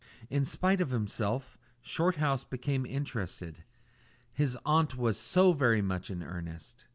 In spite of himself Shorthouse became interested. His aunt was so very much in earnest.